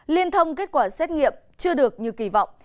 liên thông kết quả xét nghiệm chưa được như kỳ vọng